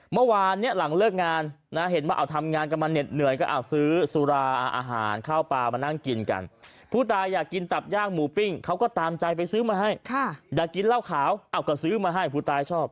เมื่อวานเนี่ยหลังเลิกงานนะเห็นว่าเอาทำงานกันมาเหน็ดเหนื่อยก็เอาซื้อสุราอาหารข้าวปลามานั่งกินกันผู้ตายอยากกินตับย่างหมูปิ้งเขาก็ตามใจไปซื้อมาให้อยากกินเหล้าขาวเอาก็ซื้อมาให้ผู้ตายชอบ